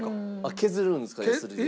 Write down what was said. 削るんですかヤスリで。